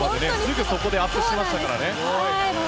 すぐそこで選手がアップしてましたからね。